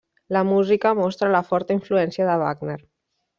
La música mostra la forta influència de Wagner.